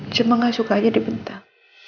cuma gak suka aja dibentang